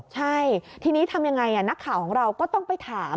ใช่ทีนี้ทำยังไงนักข่าวของเราก็ต้องไปถาม